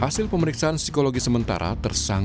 hasil pemeriksaan psikologi sementara